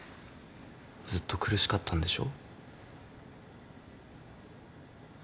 ずっと苦しかったんでしょ？